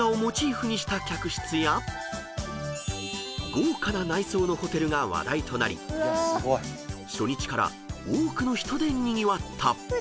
［豪華な内装のホテルが話題となり初日から多くの人でにぎわった］